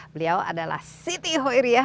beliau adalah siti hoiria